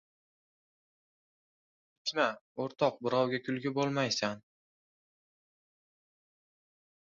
• Ichma, o‘rtoq ― birovga kulgi bo‘lmaysan.